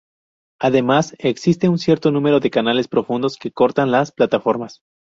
Además, existen un cierto número de canales profundos que cortan las plataformas.